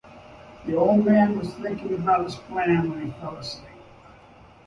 The old man was thinking about his plan when he fell asleep.